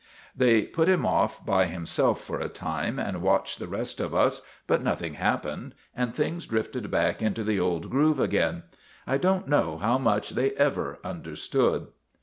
They put him off by himself for a time, and watched the rest of us; but nothing happened, and things drifted back into the old groove again. I don't know how much they ever understood."